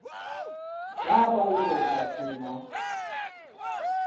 Lábai rózsaszínek.